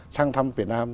sang thăm việt nam